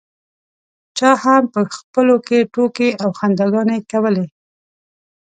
چا هم په خپلو کې ټوکې او خنداګانې کولې.